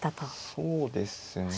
そうですね。